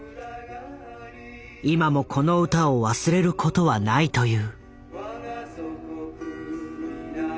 今もこの歌を忘れることはないという。